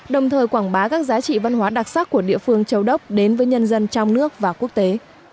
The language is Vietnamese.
đồng thời quảng bá các giá trị văn hóa đặc sắc của địa phương châu đốc đến với nhân dân trong nước và quốc tế